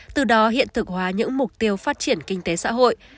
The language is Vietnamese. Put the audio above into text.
từ đó hiện thực hóa những mục tiêu phát triển kinh tế xã hội